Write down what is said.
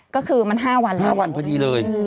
ก็คือมัน๕วันแล้ว๕วันพอดีเลย